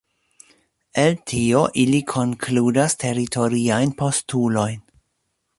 El tio ili konkludas teritoriajn postulojn.